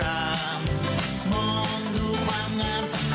ให้มายือนนี้เลือนยังคงอยู่